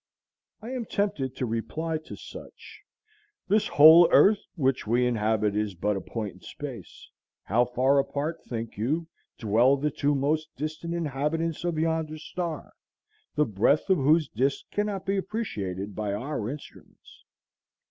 I am tempted to reply to such,—This whole earth which we inhabit is but a point in space. How far apart, think you, dwell the two most distant inhabitants of yonder star, the breadth of whose disk cannot be appreciated by our instruments?